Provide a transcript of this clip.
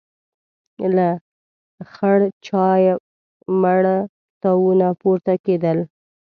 له خړ چايه مړه تاوونه پورته کېدل.